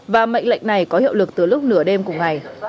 và mệnh lệnh này có hiệu lực từ lúc nửa đêm cùng ngày